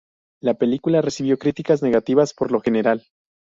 La película recibió críticas negativas por lo general.